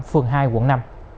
phường hai quận năm